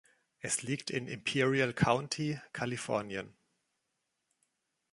Es liegt in Imperial County, Kalifornien.